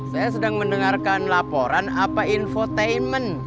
saya sedang mendengarkan laporan apa infotainment